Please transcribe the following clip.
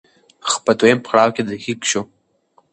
خو په دويم پړاو کې دقيق شو